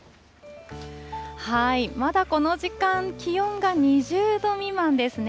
まだこの時間、気温が２０度未満ですね。